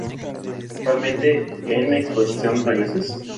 Actualmente en exposición "Raíces.